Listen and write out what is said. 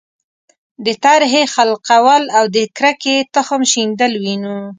د ترهې خلقول او د کرکې تخم شیندل وینو.